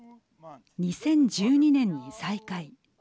２０１２年に再会。